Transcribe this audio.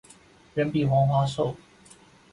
人比黄花瘦